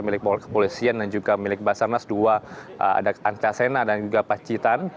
dan juga milik polisien dan juga milik basarnas dua ada ancasena dan juga pacitan